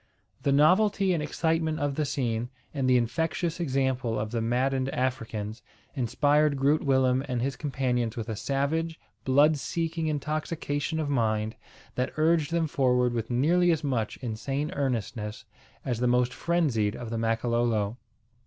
The novelty and excitement of the scene, and the infectious example of the maddened Africans, inspired Groot Willem and his companions with a savage, blood seeking intoxication of mind that urged them forward with nearly as much insane earnestness as the most frenzied of the Makololo.